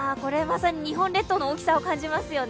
日本列島の大きさを感じますよね。